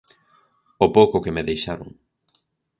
O pouco que me deixaron.